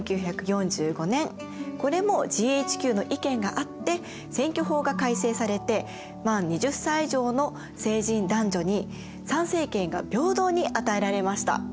１９４５年これもＧＨＱの意見があって選挙法が改正されて満２０歳以上の成人男女に参政権が平等に与えられました。